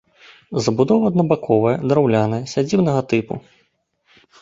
Забудова аднабаковая, драўляная, сядзібнага тыпу.